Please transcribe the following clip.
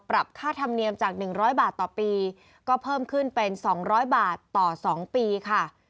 ปรับค่าธรรมเนียมจากหนึ่งร้อยบาทต่อปีก็เพิ่มขึ้นเป็นสองร้อยบาทต่อสองปีค่ะ